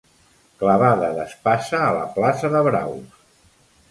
Clavada d'espasa a la plaça de braus.